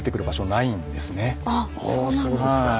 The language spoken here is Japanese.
そうですか。